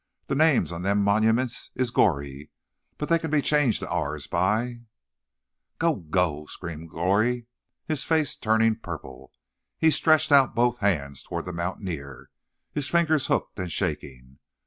The names on them monyments is 'Goree,' but they can be changed to ourn by—" "Go! Go!" screamed Goree, his face turning purple. He stretched out both hands toward the mountaineer, his fingers hooked and shaking.